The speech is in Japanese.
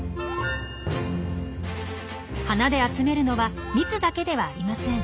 花で集めるのは蜜だけではありません。